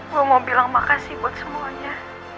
gue mau bilang makasih buat semuanya